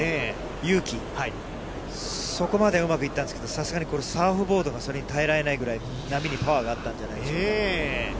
勇気、そこまでうまくいったんですけど、さすがにこれ、サーフボードがそれに耐えられないぐらい、波にパワーがあったんじゃないでしょうか。